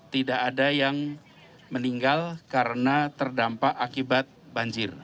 tidak ada yang meninggal karena terdampak akibat banjir